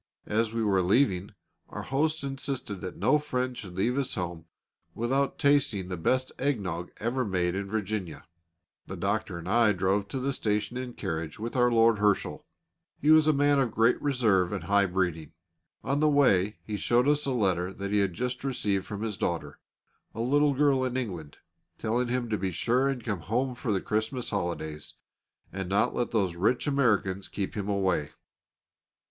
As we were leaving, our host insisted that no friend should leave his house without tasting the best egg nog ever made in Virginia. The doctor and I drove to the station in a carriage with Lord Herschel. He was a man of great reserve and high breeding. On the way he showed us a letter that he had just received from his daughter, a little girl in England, telling him to be sure and come home for the Christmas holidays, and not to let those rich Americans keep him away.